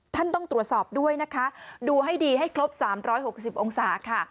ต้องตรวจสอบด้วยนะคะดูให้ดีให้ครบ๓๖๐องศาค่ะ